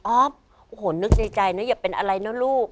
โอ้โหนึกในใจนะอย่าเป็นอะไรนะลูก